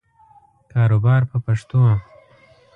کاروبار په پښتو.